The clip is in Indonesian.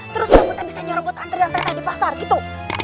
terus kamu teh bisa nyeremput antre yang teh teh di pasar gitu